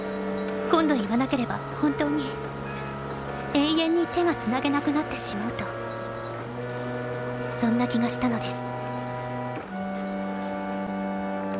今度いわなければほんとうに永遠に手がつなげなくなってしまうとそんな気がしたのです」。